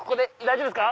大丈夫です。